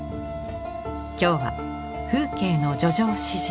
今日は風景の叙情詩人